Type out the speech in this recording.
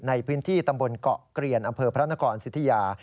ในพื้นที่ตำบลเกาะเกลียนอำเภอพระนครสิทธิยา